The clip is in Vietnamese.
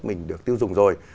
mình được tiêu dùng rồi